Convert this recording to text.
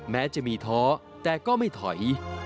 แม้จะมีท้อแต่ก็ไม่ถอย